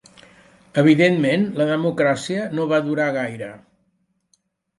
Evidentment, la democràcia no va durar gaire.